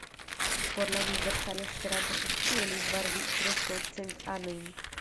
Por la Universala Esperanto-Asocio li varbis preskaŭ cent anojn.